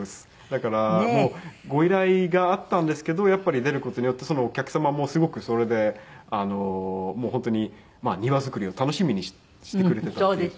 だからご依頼があったんですけどやっぱり出る事によってそのお客様もすごくそれで本当に庭造りを楽しみにしてくれていたというか。